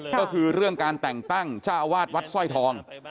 ก็คือเรื่องการแต่งตั้งเจ้าอาวาสวัดสร้อยทอง